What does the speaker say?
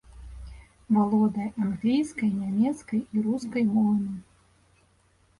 Валодае англійскай, нямецкай і рускай мовамі.